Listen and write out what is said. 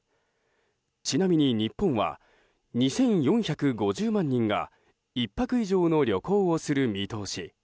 ちなみに日本は２４５０万人が１泊以上の旅行をする見通し。